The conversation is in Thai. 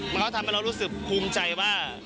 มันก็ทำให้เรารู้สึกภูมิใจว่า